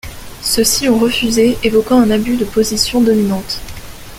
Ceux-ci ont refusé, évoquant un abus de position dominante.